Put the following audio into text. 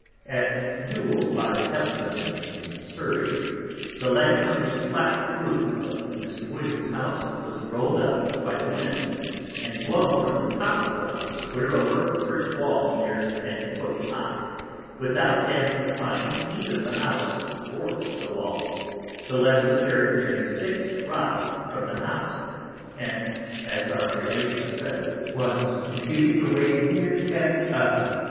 _ At Ewell by Epsome in Surry, the Lead from the flat Roof of Mr. Williams'_s House was roll'd up by the Wind, and blown from the top of the House clear over a Brick Wall near 10 Foot high, without damnifying either the House or the Wall, the Lead was carried near 6 Rod from the House; and_ as our Relator says, _was Computed to weigh near 10 Tun.